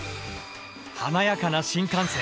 華やかな新幹線。